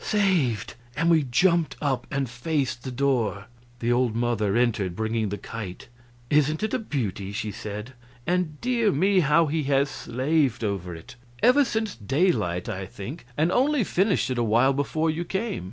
"Saved!" And we jumped up and faced the door. The old mother entered, bringing the kite. "Isn't it a beauty?" she said. "And, dear me, how he has slaved over it ever since daylight, I think, and only finished it awhile before you came."